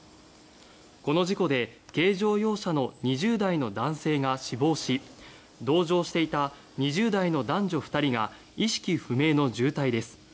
この事故で軽乗用車の２０代の男性が死亡し同乗していた２０代の男女２人が意識不明の重体です。